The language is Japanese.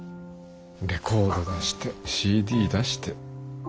レコード出してＣＤ出して。